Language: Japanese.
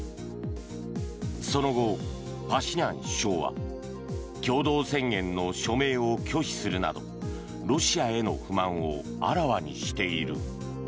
その後、パシニャン首相は共同宣言の署名を拒否するなどロシアへの不満をあらわにしている。